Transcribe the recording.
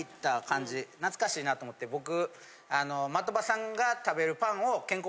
僕。